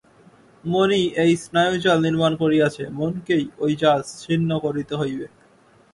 মনই এই স্নায়ুজাল নির্মাণ করিয়াছে, মনকেই ঐ জাল ছিন্ন করিতে হইবে।